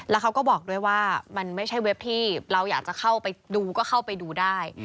แล้วเขาก็บอกด้วยว่ามันไม่ใช่เว็บที่เราอยากจะเข้าไปดูก็เข้าไปดูได้